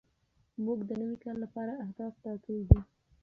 موږ د نوي کال لپاره اهداف ټاکلي دي.